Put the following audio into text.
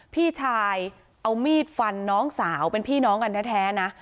พี่ชายเอามีดฟันน้องสาวเป็นพี่น้องกันแท้นะ